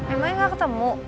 emangnya gak ketemu